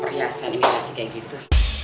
perhiasan imitasi kayak gitu